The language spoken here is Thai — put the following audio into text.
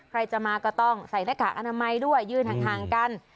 ใครจะมาก็ต้องใส่หน้ากากอนามัยด้วยยืนห่างกัน